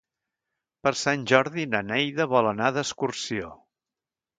Per Sant Jordi na Neida vol anar d'excursió.